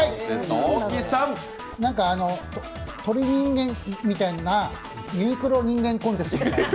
鳥人間みたいなユニクロ人間コンテスト？